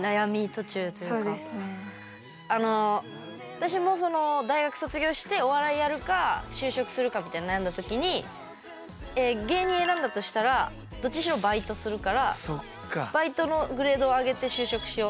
私も大学卒業してお笑いやるか就職するかみたいに悩んだ時に芸人選んだとしたらどっちにしろバイトするからバイトのグレードを上げて就職しよう。